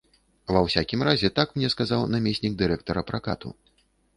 Ва ўсякім разе, так мне сказаў намеснік дырэктара пракату.